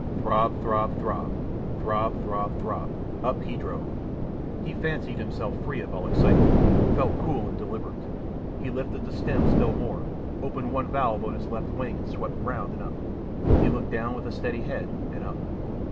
Throb, throb, throb throb, throb, throb; up he drove. He fancied himself free of all excitement, felt cool and deliberate. He lifted the stem still more, opened one valve on his left wing and swept round and up. He looked down with a steady head, and up.